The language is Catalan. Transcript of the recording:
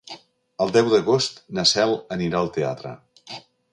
El deu d'agost na Cel anirà al teatre.